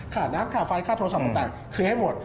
ค่าน้ำค่าไฟค่าโทรศัพท์ต่างเคลียร์ให้หมด